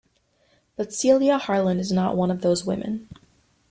But Celia Harland is not one of those women.